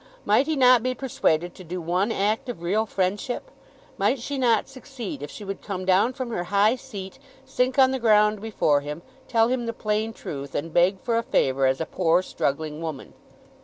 Might he not be persuaded to do one act of real friendship? Might she not succeed if she would come down from her high seat, sink on the ground before him, tell him the plain truth, and beg for a favour as a poor struggling woman?